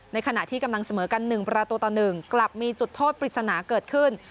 ขณะที่กำลังเสมอกัน๑ประตูต่อ๑กลับมีจุดโทษปริศนาเกิดขึ้น